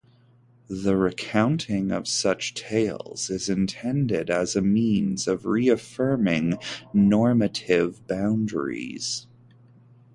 The recounting of such tales is intended as a means of reaffirming normative boundaries.